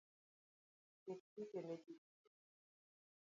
Ket chike ne jochiro